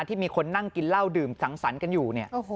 ที่มีคนนั่งกินเหล้าดื่มสังสรรค์กันอยู่เนี่ย